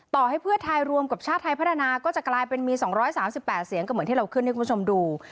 ต่อให้เพื่อไทยรวมกับชาติไทยพัฒนาก็จะกลายเป็นมี๒๓๘เสียงก็เหมือนที่เราขึ้นให้คุณผู้ชมดู